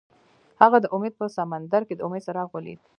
هغه د امید په سمندر کې د امید څراغ ولید.